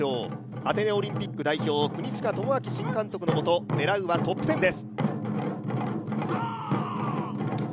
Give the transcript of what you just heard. アテネオリンピック代表国近友昭新監督の下狙うはトップ１０です。